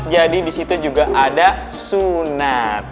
jadi di situ juga ada sunat